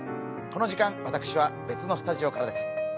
この時間、私は別のスタジオからです。